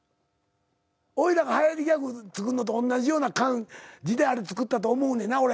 おいらがはやりギャグつくんのとおんなじような感じであれつくったと思うねんな俺。